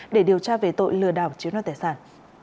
để điều tra về tội lừa đảo chiếu năng tài sản